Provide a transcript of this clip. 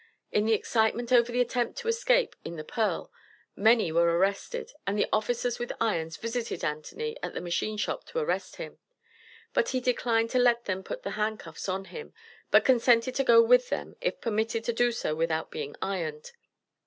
In the excitement over the attempt to escape in the Pearl, many were arrested, and the officers with irons visited Anthony at the machine shop to arrest him, but he declined to let them put the hand cuffs on him, but consented to go with them, if permitted to do so without being ironed.